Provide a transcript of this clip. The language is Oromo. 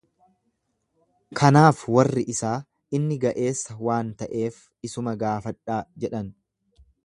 Kanaaf warri isaa, Inni ga'eessa waan ta'eef isuma gaafadhaa jedhan.